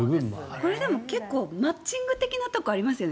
これ、でも結構マッチング的なところとかありますよね。